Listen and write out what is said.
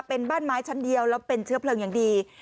เป็นบ้านไม้ชั้นเดียวแล้วเป็นเชื้อเพลิงอย่างดี